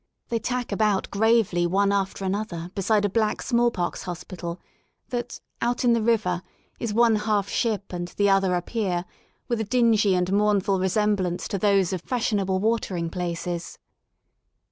They tack about gravely one after another beside a black smallpox hos pital that, out in the river, is one half ship and the other a pier with a dingy and mournful resemblance to those 66 : WORK IN LONDON of fashionable watering places.